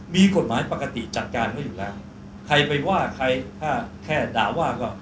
มีกฎหมายปกติจัดการเขาอยู่แล้วใครไปว่าใครถ้าแค่ด่าว่าก็